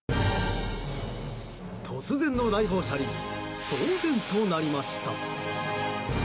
突然の来訪者に騒然となりました。